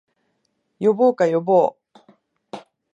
呼ぼうか、呼ぼう